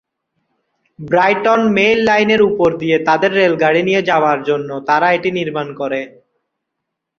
Brighton mail লাইনের ওপর দিয়ে তাদের রেলগাড়ি নিয়ে যাবার জন্য তারা এটি নির্মাণ করে।